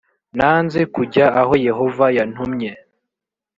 nanze kujya aho yehova yantumye